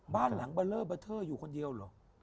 บ้านหลังเบอร์เลอร์เบอร์เทอร์อยู่คนเดียวเหรอ